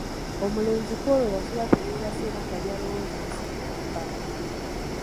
Omulenzi kw’olwo yasula teyeebase era nga by’alowooza nsi nnamba.